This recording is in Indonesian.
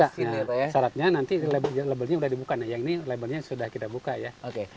ya pak ya syaratnya nanti labelnya sudah dibuka yang ini labelnya sudah kita buka ya oke jadi